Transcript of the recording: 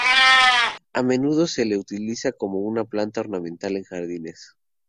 A menudo se la utiliza como una planta ornamental en jardines.